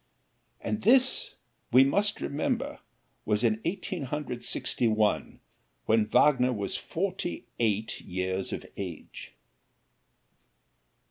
And this, we must remember, was in Eighteen Hundred Sixty one, when Wagner was forty eight years of age.